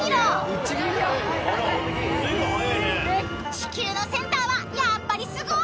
［地球のセンターはやっぱりすごい！］